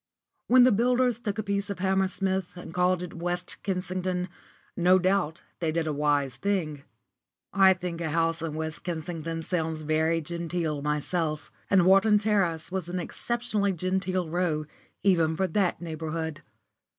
*_ When the builders took a piece of Hammersmith and called it West Kensington, no doubt they did a wise thing. I think a house in West Kensington sounds very genteel myself, and Wharton Terrace was an exceptionally genteel row even for that neighbourhood.